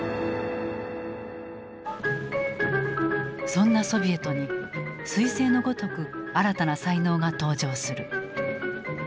そんなソビエトに彗星のごとく新たな才能が登場する。